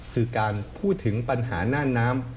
คือการพูดถึงปัญหาน่านน้ำ